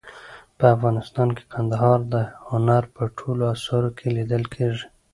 په افغانستان کې کندهار د هنر په ټولو اثارو کې لیدل کېږي.